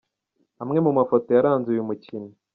Amwe mu mafoto yaranze uyu mukino